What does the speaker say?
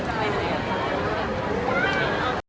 สวัสดีครับ